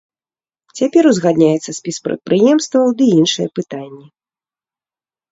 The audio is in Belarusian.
Цяпер узгадняецца спіс прадпрыемстваў ды іншыя пытанні.